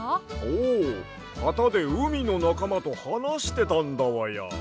おうはたでうみのなかまとはなしてたんだわや。